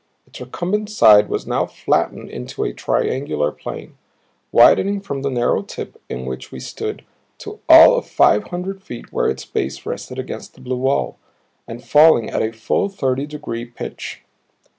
Its recumbent side was now flattened into a triangular plane, widening from the narrow tip in which we stood to all of five hundred feet where its base rested against the blue wall, and falling at a full thirty degree pitch.